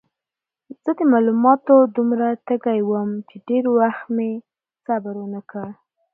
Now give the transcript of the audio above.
زه د معلوماتو دومره تږی وم چې ډېر وخت مې صبر ونه کړ.